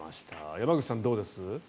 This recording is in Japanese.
山口さん、どうです？